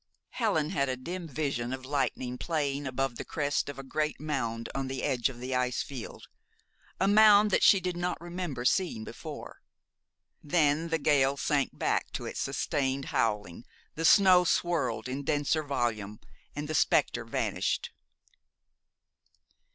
Helen had a dim vision of lightning playing above the crest of a great mound on the edge of the ice field, a mound that she did not remember seeing before. Then the gale sank back to its sustained howling, the snow swirled in denser volume, and the specter vanished.